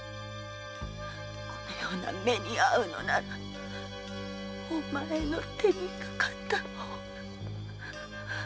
このような目に遭うのならお前の手にかかった方が。